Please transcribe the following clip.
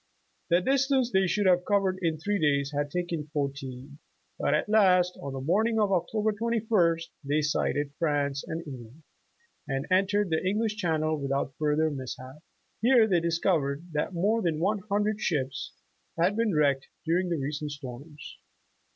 '' The distance they should have covered in three days had taken fourteen, but at last on the morning of Oc tober 21st they sighted France and England, and en tered the English Channel without further mishap. Here they discovered that more than one hundred ships had been wrecked during the recent storms.